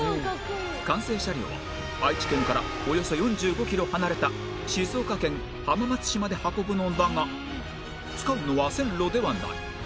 完成車両は愛知県からおよそ４５キロ離れた静岡県浜松市まで運ぶのだが使うのは線路ではない